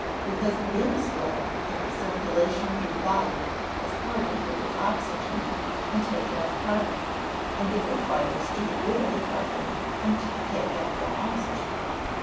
_ Because the venous blood, in its circulation through the body, has parted with its oxygen, and taken up carbon, and it requires to get rid of the carbon, and take up more oxygen.